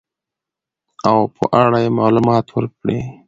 او په اړه يې معلومات ورکړي .